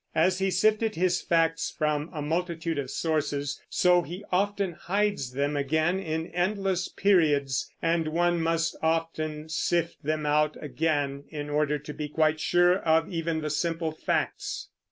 As he sifted his facts from a multitude of sources, so he often hides them again in endless periods, and one must often sift them out again in order to be quite sure of even the simple facts.